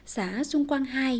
xã xuân quang hai